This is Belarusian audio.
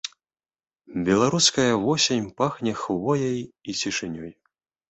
Беларуская восень пахне хвояй і цішынёй.